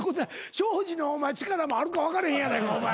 ショージの力もあるか分かれへんやないかお前。